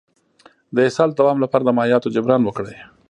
د اسهال د دوام لپاره د مایعاتو جبران وکړئ